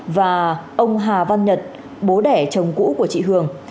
và ông hà văn nhật bố đẻ chồng cũ của chị hường